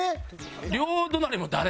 両隣も誰？